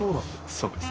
そうです。